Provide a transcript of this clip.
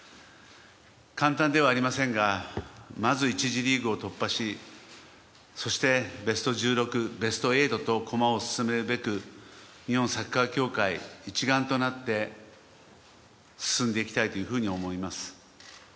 簡単ではありませんがまず１次リーグを突破しそしてベスト１６、ベスト８と駒を進めるべく日本サッカー協会一丸となって進んでいきたいというふうに思います。